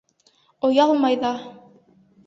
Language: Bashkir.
Оялмай ҙа!